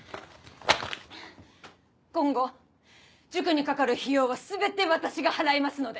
今後塾にかかる費用は全て私が払いますので。